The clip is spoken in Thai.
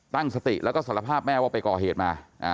ตั้งสติแล้วก็สารภาพแม่ว่าไปก่อเหตุมา